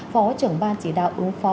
phó trưởng ban chỉ đạo ứng phó